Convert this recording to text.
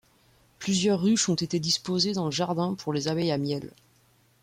Plusieurs ruches ont été disposées dans le jardin pour les abeilles à miel.